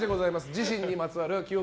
自身にまつわる記憶